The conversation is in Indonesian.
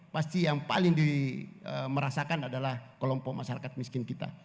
pasti yang paling di merasakan adalah kelompok masyarakat miskin kita